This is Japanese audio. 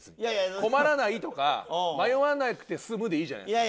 「困らない」とか「迷わなくて済む」でいいじゃないですか。